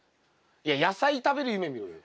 いや野菜食べる夢見ろよ。